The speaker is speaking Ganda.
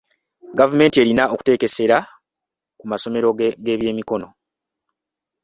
Gavumenti erina okuteeka essira ku masomero g'ebyemikono.